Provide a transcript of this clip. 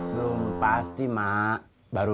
belum pasti mak baru